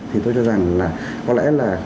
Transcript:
thì tôi cho rằng là có lẽ là